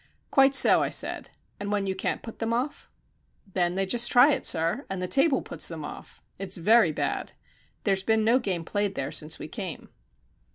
"Quite so," I said. "And when you can't put them off?" "Then they just try it, sir, and the table puts them off. It's very bad. There's been no game played there since we came."